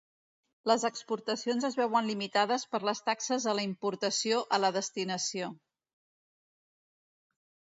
Les exportacions es veuen limitades per les taxes a la importació a la destinació.